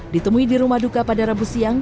ditemui di rumah duka pada rabu siang